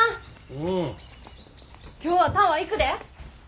うん。今日はタワー行くで。